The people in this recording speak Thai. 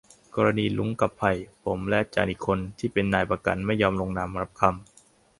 กรณีรุ้ง กับไผ่ ผมและอาจารย์อีกคนที่เป็นนายประกันไม่ยอมลงนามรับคำ